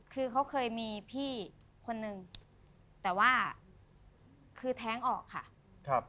คือเขาเคยมีพี่คนนึงแต่ว่าคือแท้งออกค่ะครับ